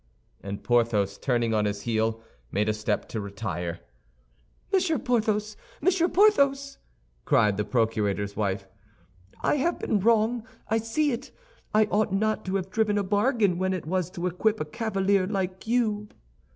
And Porthos, turning on his heel, made a step to retire. "Monsieur Porthos! Monsieur Porthos!" cried the procurator's wife. "I have been wrong; I see it. I ought not to have driven a bargain when it was to equip a cavalier like you."